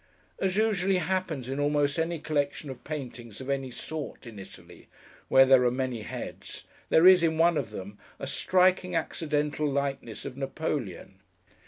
As usually happens in almost any collection of paintings, of any sort, in Italy, where there are many heads, there is, in one of them, a striking accidental likeness of Napoleon.